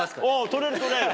取れる取れる。